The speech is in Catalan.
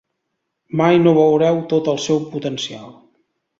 Mai no veureu tot el seu potencial.